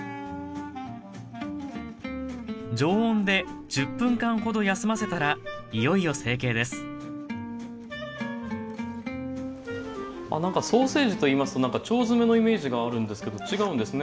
常温で１０分間ほど休ませたらいよいよ成形です何かソーセージと言いますと何か腸詰めのイメージがあるんですけど違うんですね。